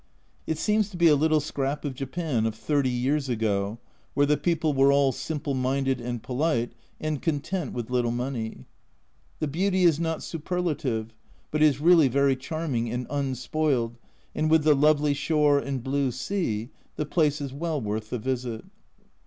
It seems to be a little scrap of Japan of thirty years ago, where the people were all simple minded and polite, and content with little money. The beauty is not superlative, but is really very charming, and unspoiled, and with the lovely shore and blue sea, the place is well worth the visit.